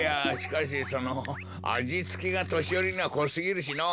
あじつけがとしよりにはこすぎるしのう。